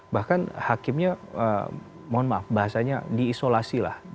bahkan hakimnya mohon maaf bahasanya di isolasi lah